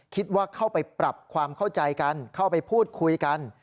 เข้าไปปรับความเข้าใจกันเข้าไปพูดคุยกัน